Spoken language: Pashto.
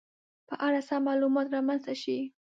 په اړه سم معلومات رامنځته شي